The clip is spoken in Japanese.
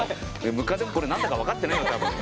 ムカデこれ何だかわかってないわ多分。